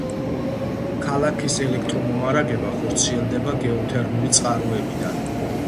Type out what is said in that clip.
ქალაქის ელექტრომომარაგება ხორციელდება გეოთერმული წყაროებიდან.